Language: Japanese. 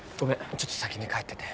ちょっと先に帰ってて。